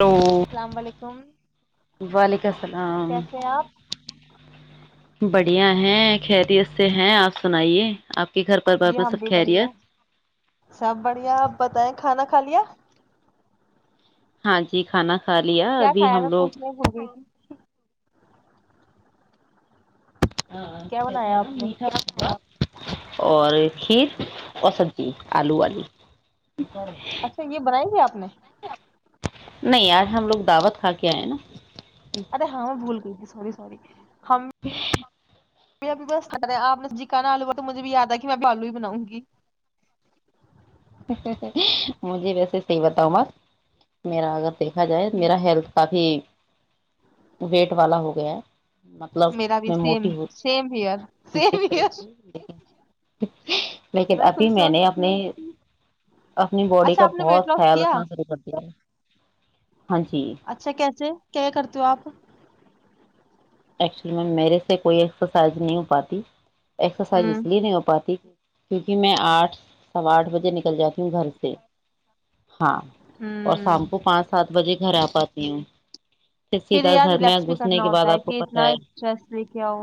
Hello السلام علیکم وعلیکم السلام کیسے ہیں آپ بڑھیا ہیں خیر سے ہیں سنائیے آپ کے گھر پر جی میں ہم سب بھی بڑھیا خیریت سب بڑھیا آپ بتائیں کھانا کھا لیا ہاں جی کھانا کھا لیا کیا ابھی کھایا ہم تھا لوگ پوچھ نہیں بھول گئی تھی ہاں کیا ہے بنایا نا آپ نے میٹھا خا [inaudible] اور کھیر اور سبزی ج آلو آلو اچھا یہ بنائی ہے آپ نے نہیں یار ہم لوگ دعوت کھا کے آئے نا ار ہاں میں بھول گئی [inaudible] سور ساری ہمم ابھی بس کر رہے آپ ن جکا نا آلو ب تو مجھے بھی یاد ہے کہ میں ب آلو ہی بناؤں گی مجھے ویسے صحیح بتاؤں بس میرا آگر دیکھا جائے میرا ہیلتھ کافی ویٹ والا ہو گیا ہے مطلب میرا بھی میں سیم موٹی سیم ہیئر ہوتی سیم د رہی ہیئر تھی لیکن ابھی خود میں نے سوچتی اپنے ہوں اپنی باڈی اچھا کا آپ نے ویٹ بہت لاس خیال کیا رکھنا شروع کرتی اچھا کیسے کیا کرتی ہو آپ ایکچولی میم میرے سے کوئی ایکسرسائز نہیں ہو پاتی اسرسائز ہوں اس لیے نہیں ہو پاتی کیونکہ میں آٹھ سوا آٹھ بجے نکل جاتی ہوں گھر سے ہاں اور ہوں شامپو پانچ سات بجے گھر آ پ جی ھر سیدھا گھر میں گھسنے کے بعد آپ پتہ نہ ہے چس ل کیاؤ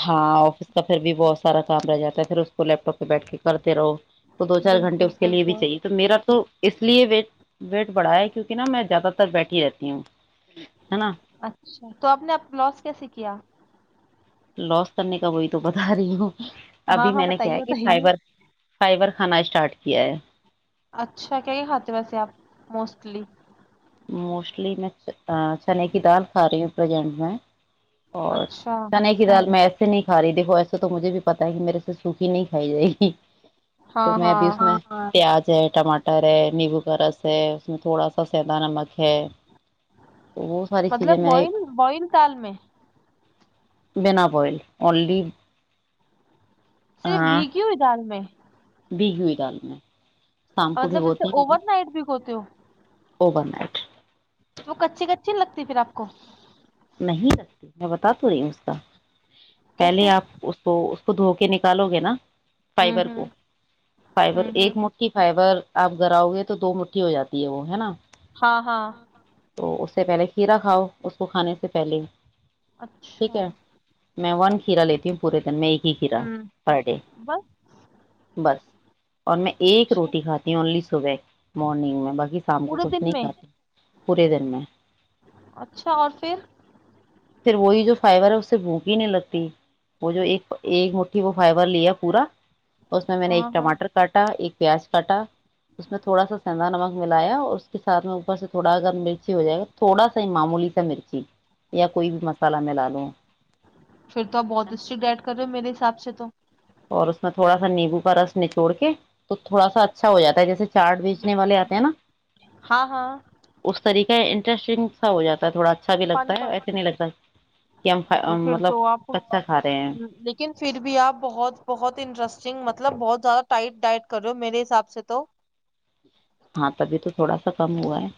ہاں آفس کا پھر بھی بہت سارا کام رہ جاتا ہے پھر اس کو لیپ ٹاپ پہ بیٹھ کے کرتے رہو تو دو چار گھنٹے بالکل اس کے لیے بھی بالکل چاہیے تو میرا تو اس لیے ویٹ ویٹ بڑا ہے کیونکہ نا میں زیادہ تر بیٹھی ہی رہتی ہوں ہے نا اچھا تو آپ نےپ لوس کیسے کیا لوس کرنے کا وہی تو بتا رہی ہوں ہاں ابھی ہاں میں نے کیا بتائیے ہے کہ بتائیے فائبر فائبر کھانا اسٹارٹ کیا ہے اچھا کیا کیا کھاتے ویسے آپ موسٹلی موسٹلی میں چنے کی دال کھا رہی ہوںزینٹ میں اور اچھا چنے کی دال میں ایسے نہیں ساری دیکو ایسے تو مجھے بھی پتا ہے کہ میرے سے سوکھی نہیں کھائی جائے گی ہاں تو میں ہاں ابھی اس میں پیاز ج ٹماٹر نبو کر رس اس تھوڑا سا س ن مک مطلب بول بوئل تال میں بین بئل انلی صرف بگی ہوئی دال میں دی ہوئی گال میں شام کو مطلب اس سے اوور نائٹ بھی ہوتے ہو اوبور نائٹ تو کچی کچی لگتی پھر آپ کو ک نہیں لگتی میں بتا تو رہی ہوں اس کا کیسے پہلے آپ اس کو خودھو کے نکالو گے نا ہوں فائبر کو ہوں فائبر ہوں ہوں ایک مٹھی فائبر آپ گھر آؤ گے تو دو مٹھی ہو جاتی ہے وہ ہے نا ہاں ہاں تو اس سے پہلے کھیرا کھؤ اسس کو کھانے اس سے پہلے [unintelligible] ٹھیک اچھا ہے میں ون کھیرا ٹھیک ہے لیتی ہوں پورے دن میں ایک ہی کھیرا ہوں پر ڈے بس بس اور میں ایک اچھا روٹی کھاتی ہوں الی صب مارننگ میں باقی شام کو پورے کچھ دن نہیں میں کھاتے پورے دن میں اچھا اور پھر پھر وہی جو فائبر ہے اس سے بھوک ہی نہیں لگتی وہ جو ایک ایک مٹھی وہ فائبر لیا پورا اس میں نے ہاں ایک ہاں ٹماٹر کاٹا ایک پیاز کاٹا اس میں تھوڑا سا سندا نمک ملایا اور اس کے سھ میں اوپر سے تھوڑا اگر مرچی ہو جائے گا تھوڑا سا ہی معمولی سا مرچی یا کوئی بھی مسالہ میں ل لوں پھر تو آپ ہے بہت نا اسٹرک ڈ ایڈ کر رہے ہو میرے حساب سے تو اور اس میں تھوڑا سا نیمبو کا رس نچوڑ کے تو تھوڑا سا اچھا ہو جاتا ہے جیسے چاٹ بیچنے والے آتے ہیں نا ہاں ہاں اس طریقے انٹرسٹنگ سا ہو جاتا ہے تھوڑا اچھا بھی پ لگتا پ ہے ایسے نہیں لگتا کہ جی ہم پھر مطلب تو آپ کچا کھا رہے ہیں لیکن پھر بھی آپ بہت بہت انٹرسٹنگ مطلب بہت زیادہ ٹائٹ ڈائٹ کر رہ ہو میرے حساب سے تو ہاں تبھی تو تھوڑا سا کم ہوا ہے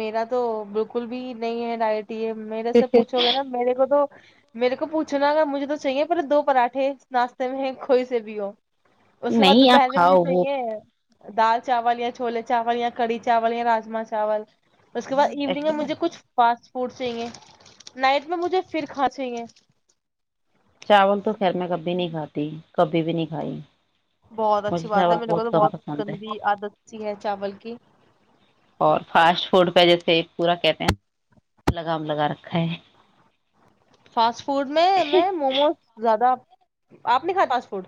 میرا تو بالکل بھی نہیں ہے ڈائٹ میرے سے پوچھو گے نا میرے کو تو میرے کو پوچھنا مجھے تو چاہیے پر دو پراٹھے ناشتے میں ہے کھوئی سے بھی ہو اس کے بعد نہیں آپ دوپہر کے مجھے کھاؤ وہ چاہیے دال چاول یا چھولے چاول یا کڑی چاول یا راما چاول [unintelligible] اس کے بعد ایوننگ میں مجھے کچھ فاسٹ پٹ چاہے نائٹ میں مجھے پھر کھا چاہے چاول تو خیر میں کبھی نہیں کھاتی کبھی بھی نہیں کھائی بہت مجھے اچھی بات چاول ہے میرے کو تو کم بہت پسند ہے گندی عادت سی ہے چاول کی اور فاسٹ فوڈ کا جیسے پورا کہتے ہیں لگام لگا رکھا ہے فاسٹ فوڈ میں میں موموز زیادہ آپ نے کھا فاسٹ فوڈ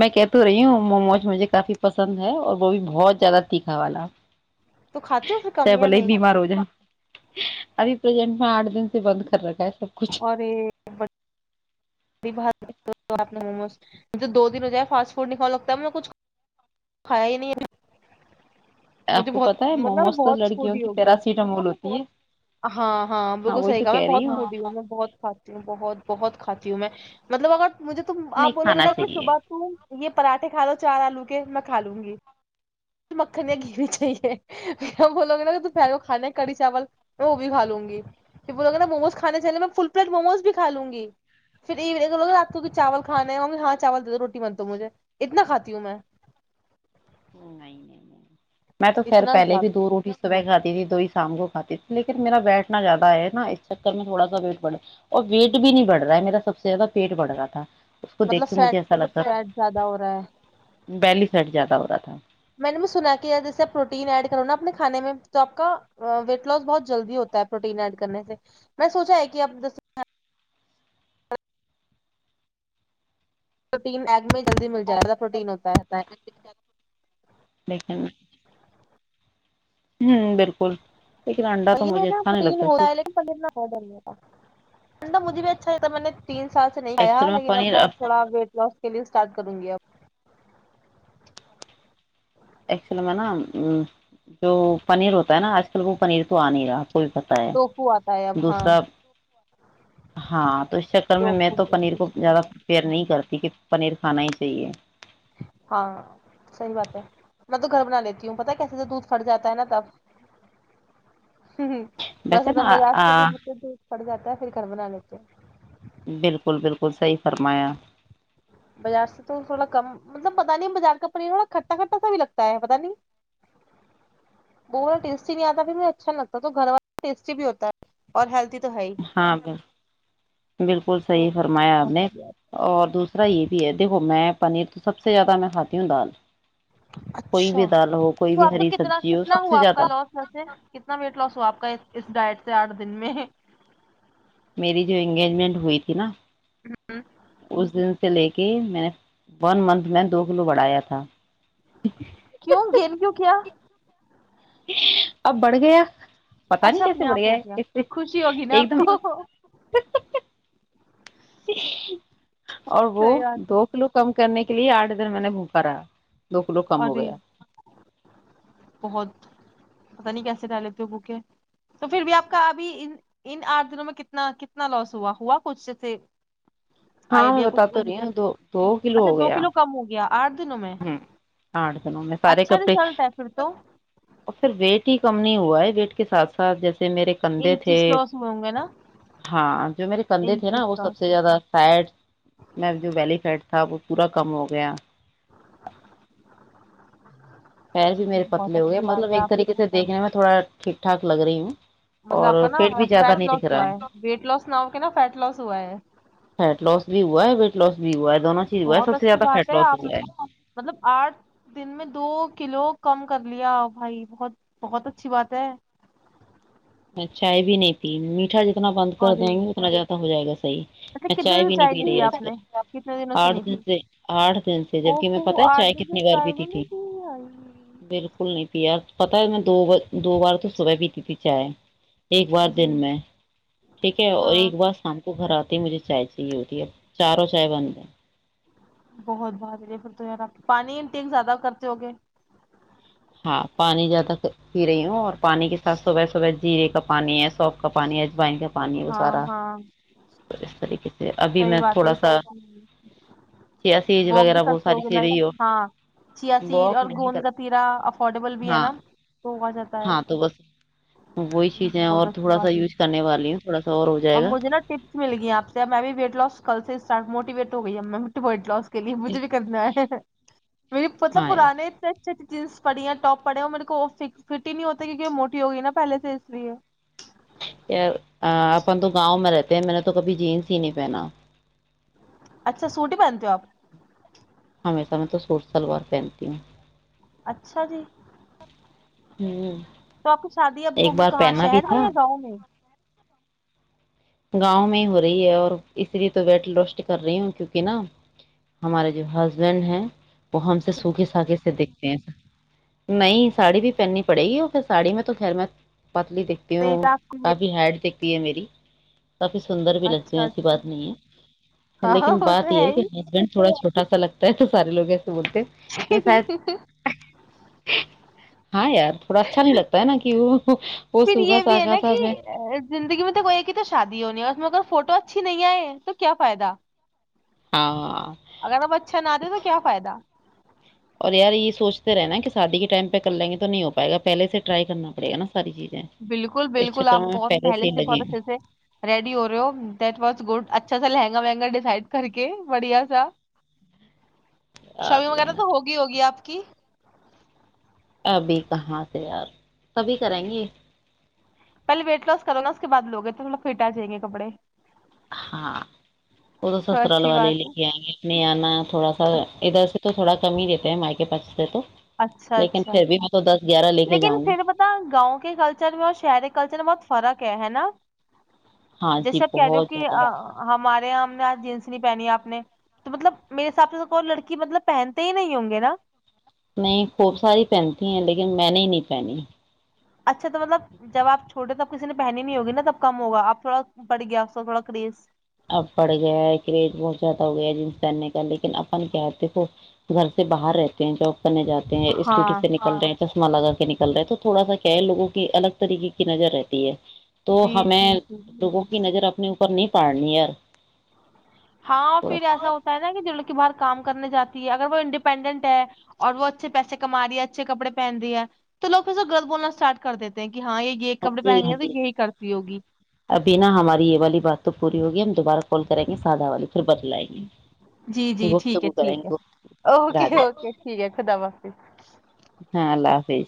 میں کہ تو رہی ہوں موموز مجھے کافی پسند ہے اور وہ بھی بہت زیادہ تیکھا والا تو کھاتے ہو پھر س کم یا بلے ہی نہیں بیمار ہو جان [unintelligible] ابھی پرزینٹ میں آٹ دن سے بند کر رکھ ہے سب کچھ اور یہ ب موموز مجھے دو دن ہو جائے فاسٹ فوڈ نہیں کا لگتا ہے کچھ کھایا ہی نہیں ابھی آپ کو پتاہ ہے موموز تو لڑکیوں فوڈی کی ہو گئی ہوں پیراسیٹامول ہوتی ہے ہاں ہاں بالکل وہی صحی تو کاا میں کہہ بہت رہی فوڑی ہوں میں بہت کھاتی ہوں بہت بہت کاتی ہوں میں مطلب اگر مجھے تم نہیں آپ بولو گے کھانا نا کہ چاہیے صبح ت یہ پراٹھے کھا لو چار آلو کے میں کھا لوں گی مکھنیاں گھی چاہیے وہ لوے نا کہ پہل کھانا ہے کڑی چاول میں وہ بھی کھا لوں گی پھر ب لوگے نا موموز کھانے چاہے میں فل پلیٹ موموز بھی کھا لوں گی پھرون رات کی چاول کھانا ہے ہاں چاول دے دو روٹی بنتا مجھے اتنا کھاتی ہوں میں [inaudible] نہیں میں تو خیر اتنا پہلے بھی زیادہ دو روٹی سبح کھی ت دو ہی شام کو کھاتی تھی لیکن میرا بیٹھنا زیادہ ہے نا اس چکر میں تھوڑا سا ویٹ بڑھے اور ویٹ بھی نہیں بڑھ رہا ہے میرا سب سے زیادہ پیٹ بڑھ رہا تھا اس کو مطلب دیکھ کے فیٹ مجھے ایسا لگتا تھا فیٹ زیادہ ہو رہا ہے سٹ زیاہ ہوتاا [unintelligible] میں نے بھی سنا کہ جیسے آپ پروٹین ایڈ کرو نا اپنے کھان میں تو آپ کا ویٹ لاس بہت جلدی ہوتا ہے پروٹین ایڈ کرنے سے میں سوچا ہے کہ آپ تو تین ایگ میں [unintelligible] جائے زیادہ پروٹین ہوتا ہے [inaudible] ہوں بالکل لیکن انڈا تو پی میں مجھے نا اچھا نہیں پین لگتا ہو رہا کیوں ہے لیکن پند بہت جیا تھا پن مج بھی اچھا ہے تھا میں نے [unintelligible] تین سال سے نہیں آیا ایکچوئل لیکن اب پنیر میں تھوڑا ویٹ لوس کے لیے اسٹارٹ کروں گی اب [inaudible] ایکچول میں نا جو پنیر ہوتا ہے نا آج کل وہ پنیر تو آ نہیں رہاتا کوئی پتا ہے ٹوفو آتا ہے اب ہاں دوسرا ہاں تو اس چکر میں میں ٹوفو تو پنیر ٹوفو کو سویابین زیادہفیئر نہیں کرتا ٹھیک پنیر کھانا ہی چاہیے ہاں صحیح بات ہے میں تو گھر بنا لیتی ہوں پتا کیسے دودھ پھٹ جاتا ہے نا تب [inaudible] ویسے نا آ پڑ جاتا ہے پھر گھر بنا لیتے ہیں بالکل بالکل سحی فرمایا بازار سے تو تھڑا کم مطلب پتا نہیں بازار کا پا کھٹا کھا سا بھی لگتا ہے پ نہیں نہیں آتا اچھا نہیں لگتا توھر والتا ہے ہی ہاں ب بالکل صحیح فرمایا آپ نے اور دوسر را یہ بھی ہے دیکو میں پنیر تو سب سے زیادہ میں کھاتی ہوں دال کوئی اچھا بھی دال ہو کوئی تو بھی آپ کا ہری کتنا سبزی ہو کتنا سب سے ہوا آپ کا زیادہ لاس ویسے کتنا ویٹ لاس ہوا آپ کا اس ڈائٹ سے آٹھ دن میں میری جو انگیجمنٹ ہوئی تھی نا [unintelligible] سے لے کے میں نے ون منتھ میں دو کلو بڑھایا تھا کیوں گیند کیوں کیا اب بڑھ گیا پتا نہیں اچھا کیسے اپنے بڑھ آپ ہو گیا گ خوشی ہوگی نا ایک آپ دم کو صحیح ج [inaudible] اور وہ بات ہے دو کلو کم کرنے کے لیے آٹھے دن میں نے بھکرا دو کلو کم ہو ارے گیا بہت پت نہیں کیسے ڈال لیتے ہو بکیں تو پھر بھی آپ کا ابھی ان آٹھ دنوں میں کتنا کتنا لوس ہوا ہوا کچھ جیے ہاں میں بتات تو نہیںی ہوں دو دو کلو اچھا ہو دو گیا کم ہو گیا آٹھ دنوں میں ہوں آ س ن سارے اچھا کپڑے رزلٹ ہے پھر تو اور پھر و ٹھیک کم نہیں ہوا ہے ویٹ کے ساتھ ساتھ جیسے میرے کندھے تھے انچز لاس ہوئے ہوں گے نا ہاں جو میرے کندھے تھے انچز نا وہ سب لاس سے زیادہ فیڈ میں جو ویلی فڈ تھا وہ پورا کم ہو گیا [unintelligible] پیر بھی جی میرے بہت پتلے ہو گئے اچھی مطلب بات ہے ایک آپ طریقے سے دیکھنے میں تھوڑا ٹھیک ٹھاک لگ رہی ہوں مطلب آپ کا اور نا پیٹ بھی زیادہ فیٹ نہیں دکھ لاس ہوا ہے رہا ویٹ لاس نہ ہو کے نا فیٹ لاس ہوا ہے ہو بہت اچھی بات ہے آپ نے مطلب آٹھ دن میں دو کلو کم کر لیا بھائی بہت بہت اچھی بات ہے ا چائے بھی نہیں پی میٹا ج اتنا بند کر اور دیں گے اتنا زیادہ ہو جائے گا صحیح اچھا میں کتنے چائے دن سے بھی نہیں پی رہی آج آپ کل نے کتنے دنوں آٹھ نہیں دن پی سے آٹھ دن سے او جبک میں ہو پتا ہے آٹھ چائے دن سے کتنی بار چائے بھی پیتی تھی نہیں پی آئی بالکل نہیں پیا پتا ہے میں دو دو بار تو صبح پیتی تھی چائے ایک بار دن جی میں ٹھیک ہے اور ہاں ایک بار شام کو گھر آتا مجھے چائے چاہیے ہوتی ہے اب چاروں چائے بنتے بہت بہت یہ پھر تو یارا آ پانی ان ٹیک زیادہ کرتے ہو گے ہاں پانی زیادہ پی رہی ہوں اور پانی کے ساتھ صبح صبح جیرے کا پانی ہے سوف کا پانی ہے اجوائن کا پانی ہے وہ ہاں سارا ہاں تو اس [unintelligible] طریقے سے ابھی صحی میں بات ہے تھوڑا سا چیا سیج واک بھی وغیرہ وہ کرتے ہو ساری گے چیزیں لائک ہی ہو ہاں چیا سٹ واک اور نہیں کر گند گتییرا افورڈیبل بھی ہے ہاں نا تو ہوا جاتا ہے ہاں تو بس وہی یہ چیز ہے بہت اور اچھی تھوڑا سا بات ہے یوز کرنے والی ہوں تھوڑا سا ہو اور جائے گا مجھے نا ٹپس مل گی آپ سے اب میں بھی ویٹ لاس کر موٹیویٹ ہو گئی موٹ لس کے لیے مجھے بھی کرنا ہے میری مطلب ہاں پرانے یار اتنے اچھے جینس پڑی ہیں ٹاپ پڑے ہیں میرے کو فٹ ہی نہیں ہوتا کیونکہ موٹی ہوگئی نا پہلے سے اس لیے ا [inaudible] ا اپن تو گاؤں میں رہتے ہیں میں تو کبھی جینس ہی نہیں پہنا اچھا سوٹی پہنتے ہو آپ ہمیشہ میں تو سوٹ شلوار پہنتی ہوں اچھا جی ہوں [unintelligible] تو آپ کی شادی اب ایک ہوگی بار کہاں پہنا بھی شہر میں یا تھا گاؤں میں گاؤں میں ہو رہی ہے اور اس لیے تو ویٹ لوسٹ کر رہی ہوں کیونکہ نا ہمارے جو ہسبینڈ ہیں وہ ہم سے سوکھے سااکے سے دیکھ نہیں ساڑی بھی پہننی پڑے گی اور پھر ساڑی میں تو خیر میں پتلی دکھتی ہوں دیکھ آپ کی، کافی ہیڈ دکھتی ہے میری کافی سندر بھی لگتے اچھا ہیں ایسی بات اچھا نہیں ہے ہاں لیکن وہ بات تو یہ ہے کہ ہسبینڈ تھوڑاو ایسا لگتا ہے تو سارے لگ ہیں بولتے نہیں ہی شاید ہاں یار تھوڑا اچھا نہیں لگتا ہے نا کہ وہ وہ پھر سوکھا یہ بھی ہے ساکھا نا سا کہ میں زندگی میں تو کوئی ایک ہی تو شادی اس میں اگر فوٹو اچھی نہیں آئے تو کیا فائدہ ہاں اگر اب اچھا نہ دے تو کیا فائدہ اور یار یہ سوچتے رہے نا کہ شادی کے ٹائم پہ کر لیں گے تو نہیں ہو پائے گا پہلے سے ٹرائی کرنا پڑے گا نا ساری چیزیں بالکل اس بالکل چکر آپ میں بہت پہلے ہی سے لگے بہت ہیں اچھے سے ریڈی ہو رہے ہو دیٹ وااز گڈ اچھا سا لہنگا ونا ڈسائڈ کر کے بڑیا سا [inaudible] یار شاابنگ وغیرہ لہنگا تو ہوگی ہوگی آپ کی [unintelligible] کبھی کہاں سے یار کبھی کریں گے پہل ویٹ لاس کرو نا اس کے بع لوگ تھ تو تھوڑا فٹ آ جائیں گے کپڑے ہاں ا تو سسرال اچھی والے لے بات ہے کے آئیں گے اپنینا تھوڑا سا ادھر سے تو تھوڑا کم ہی دیتے ہیں مائ کے پاس سے تو اچھا لیکن اچھا پھر بھی میں تو اد [unintelligible] لیکن پھر پتا گاؤں کے کلچر میں اور شہر کے کلچر میں بہت فرق ہے ہے نا ہاں جی جیسے آپ کہہ رہے ہو بہت کہ زیادہ ہمارے یہاں ہم نے آج جینس نہیں پہنی آپ نے تو مطلب میرے حساب سے تو کوئی لڑکی مطلب پہنتے ہی نہیں ہوں گے نا نہیں خوب ساری پنتی ہیں ل میں نے ہی نہیں پہنی اچھا تو مطلب جب آ چھوٹے تب کسی نے پہنی نہیں ہوگی نا تب کم ہوگا آپ تھوڑا پڑ گیا اس کا تھوڑا کریز اب بڑ گیا ہے کریز بہت زیادہ ہو گیا ہے جن سےنے کا لیکن اپن کیاتے ہیں وہ گھر سے باہر رہتے ہیں جو کرنے جاتے ہیں اسکوٹی ہاں سے نکل رہے ہیں چشمہ لگر نکل رہے تو تھوڑا سا کیا ہے لگوں کی الگ طریقے کی نظر رہتی ہے تو جی ہمیں جی جی لوگوں جی. کی نظر اپنے اپر نہیں پاے پنی یار ہاں تھوڑا پھر ایسا ہوتا ہے نا کہ جو لڑکی باہر کام کرنے جاتی ہے اگر وہ انڈیپینڈنٹ ہے اور وہ اچھے پیسے کم رہی ہے اچھے کپڑے پہن رہی ہے تو لو پھر سے غلط بولنا اسٹارٹ کر دیتے ہیں کہ ہاں یہ یہ کپڑے جی پہنیں گے تو جی یہی کرتی ہوگی ابھی نا ہماری یہ والی بات تو پوری ہوی ہم دوبارہ کال کریں گے سادا والے کو جی جی ٹھیک ہے گفتگو ٹھیک کریں ہے گے گفت اوکے رادھے اوکے ٹھیک ہے خدا حافظ فی